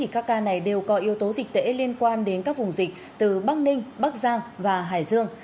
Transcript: các ca này đều có yếu tố dịch tễ liên quan đến các vùng dịch từ bắc ninh bắc giang và hải dương